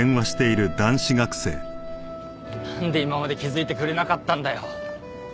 なんで今まで気づいてくれなかったんだよ。